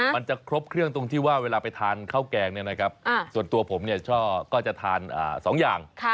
มันจะครบเครื่องตรงที่ว่าเวลาไปทานข้าวแกงเนี่ยนะครับส่วนตัวผมชอบก็จะทาน๒อย่าง